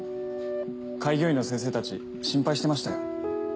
開業医の先生たち心配してましたよ。